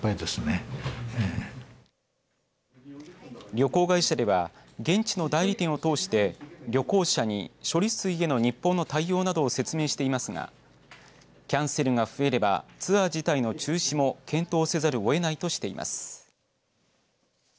旅行会社では現地の代理店を通して旅行者に処理水への日本の対応などを説明していますがキャンセルが増えればツアー自体の中止も検討せざるをえないとしています。